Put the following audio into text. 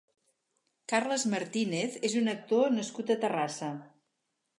Carles Martínez és un actor nascut a Terrassa.